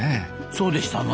そうでしたな。